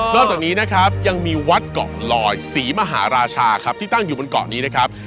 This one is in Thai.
จากนี้นะครับยังมีวัดเกาะลอยศรีมหาราชาครับที่ตั้งอยู่บนเกาะนี้นะครับ